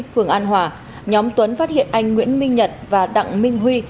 phường an hòa nhóm tuấn phát hiện anh nguyễn minh nhật và đặng minh huy